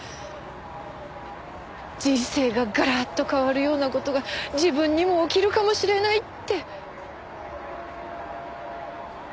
人生がガラッと変わるような事が自分にも起きるかもしれないって。